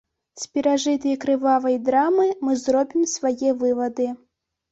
З перажытай крывавай драмы мы зробім свае вывады.